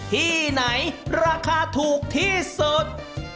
ที่ไหนราคาถูกที่สุด